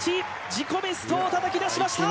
自己ベストをたたき出しました。